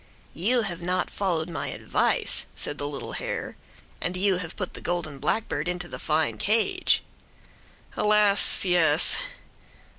"You have not followed my advice," said the little hare. "And you have put the golden blackbird into the fine cage." "Alas! yes!"